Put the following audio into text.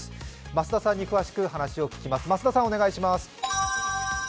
増田さんに詳しく話を聞きます。